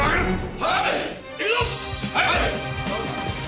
はい！